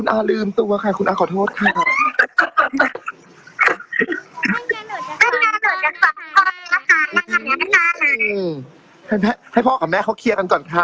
น้องน้องน้องน้องน้องน้องน้องน้องน้อง